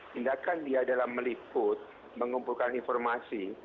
tindakan dia dalam meliput mengumpulkan informasi